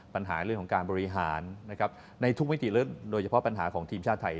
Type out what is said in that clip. ปัญหาเรื่องของการบริหารนะครับในทุกมิติเรื่องโดยเฉพาะปัญหาของทีมชาติไทย